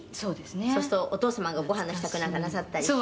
そうするとお父様がごはんの支度なんかなさったりして」